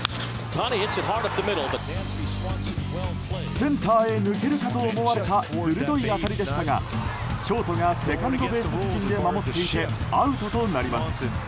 センターへ抜けるかと思われた鋭い当たりでしたがショートがセカンドベース付近で守っていてアウトとなります。